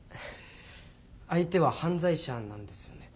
相手は犯罪者なんですよね？